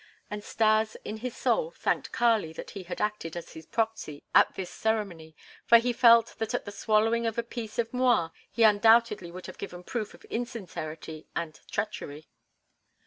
And Stas in his soul thanked Kali that he had acted as his proxy at this ceremony, for he felt that at the swallowing of "a piece" of M'Rua he undoubtedly would have given proof of insincerity and treachery.